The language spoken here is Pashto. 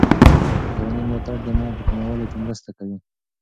کورني ملاتړ د میل په کمولو کې مرسته کوي.